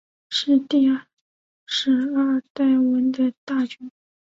是第十二代闻得大君。